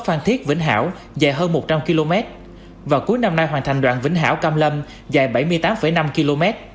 phan thiết vĩnh hảo dài hơn một trăm linh km và cuối năm nay hoàn thành đoạn vĩnh hảo cam lâm dài bảy mươi tám năm km